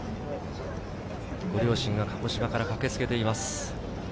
ご両親が鹿児島から駆けつけています。